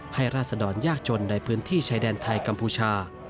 ราศดรยากจนในพื้นที่ชายแดนไทยกัมพูชา